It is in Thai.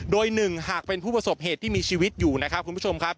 โดยหนึ่งหากเป็นผู้ประสบเหตุที่มีชีวิตอยู่นะครับคุณผู้ชมครับ